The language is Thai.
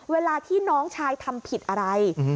เวลาที่น้องชายทำผิดอะไร